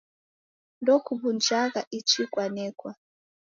Ndokuw'unjagha ichi kwanekwa.